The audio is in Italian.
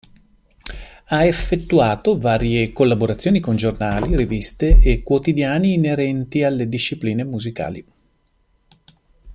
Ha effettuato varie collaborazioni con giornali, riviste e quotidiani inerenti alle discipline musicali.